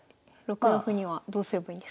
６四歩にはどうすればいいんですか？